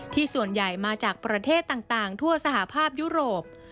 ส่วนใหญ่มาจากประเทศต่างทั่วสหภาพยุโรป